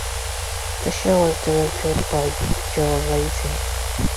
The show was directed by Joe Layton.